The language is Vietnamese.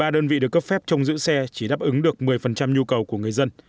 một mươi đơn vị được cấp phép trong giữ xe chỉ đáp ứng được một mươi nhu cầu của người dân